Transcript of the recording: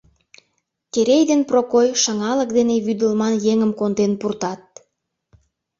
Терей ден Прокой шыҥалык дене вӱдылман еҥым конден пуртат.